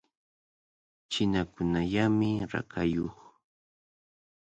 Chinakunallamy rakayuq.